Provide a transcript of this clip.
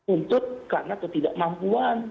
untuk karena ketidakmampuan